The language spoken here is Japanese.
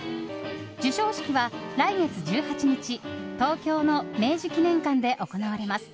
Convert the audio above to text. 授賞式は来月１８日東京の明治記念館で行われます。